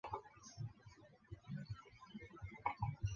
成果最惊人